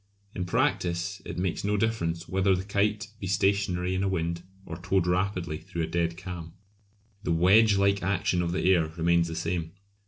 In practice it makes no difference whether the kite be stationary in a wind or towed rapidly through a dead calm; the wedge like action of the air remains the same.